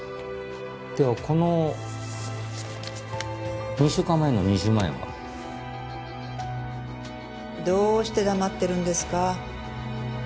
ではこの２週間前の２０万円は？どうして黙ってるんですか？